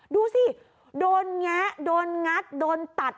ดูสิโดนแงะโดนงัดโดนตัด